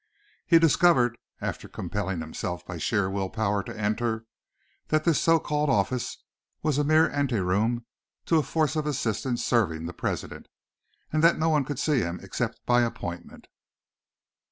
He discovered, after compelling himself by sheer will power to enter, that this so called office was a mere anteroom to a force of assistants serving the president, and that no one could see him except by appointment.